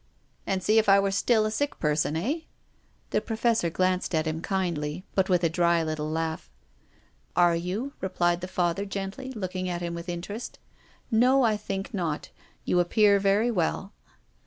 " And see if I were still a sick person, eh ?" The Professor glanced at him kindlj , but with a dry little laugh. " Are you ?" replied the Father gently, looking at him with interest. " No, I think not. You appear very well."